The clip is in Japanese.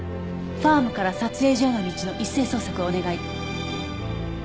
ファームから撮影所への道の一斉捜索をお願い。